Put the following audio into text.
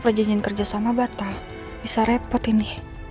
perjanjian kerja sama batal bisa repot ini